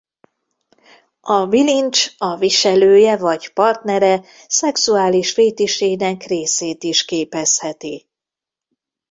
A bilincs a viselője vagy partnere szexuális fétisének részét is képezheti.